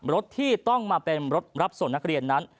รถที่ต้องมาเป็นรถรับส่งนักเรียนนั้น